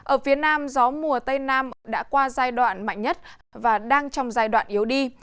ở phía nam gió mùa tây nam đã qua giai đoạn mạnh nhất và đang trong giai đoạn yếu đi